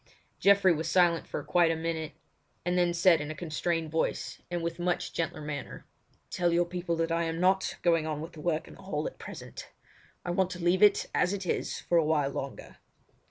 Geoffrey was silent for quite a minute, and then said in a constrained voice and with much gentler manner: "Tell your people that I am not going on with the work in the hall at present. I want to leave it as it is for a while longer."